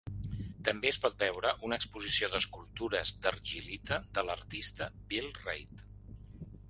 També es pot veure una exposició d'escultures d'argil·lita de l'artista Bill Reid.